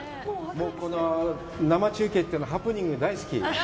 もう、この生中継ってのは、ハプニング、大好き！